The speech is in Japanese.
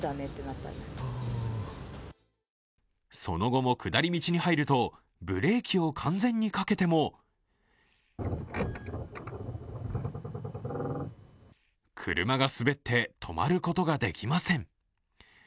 その後も下り道に入ると、ブレーキを完全にかけても車が滑って止まることができません。